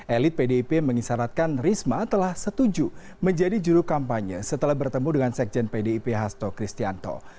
elit pdip mengisyaratkan risma telah setuju menjadi juru kampanye setelah bertemu dengan sekjen pdip hasto kristianto